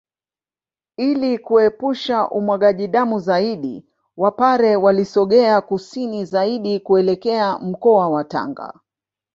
Ili kuepusha umwagaji damu zaidi Wapare walisogea kusini zaidi kuelekea mkoa wa Tanga